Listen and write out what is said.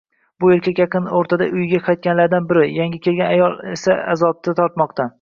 Bu erkak yaqin o`rtada uyiga qaytadiganlardan biri, yangi kelgan ayol esa azob tortmoqda